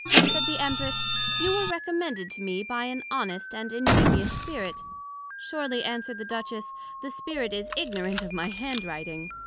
Said the Empress, you were recommended to me by an honest and ingenious Spirit. Surely, answered the Duchess, the Spirit is ignorant of my hand writing.